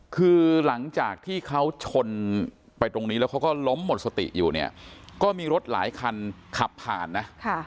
คือหลังจากที่เขาชนไปตรงนี้แล้วเขาก็ล้มหมดสติอยู่เนี่ยก็มีรถหลายคันขับผ่านนะ